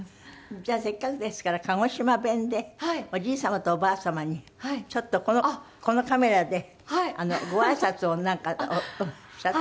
じゃあせっかくですから鹿児島弁でおじい様とおばあ様にちょっとこのカメラでご挨拶をなんかおっしゃって。